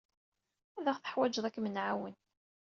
Ad aɣ-teḥwijeḍ ad kem-nɛawen.